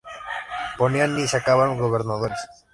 Ponían y sacaban gobernadores.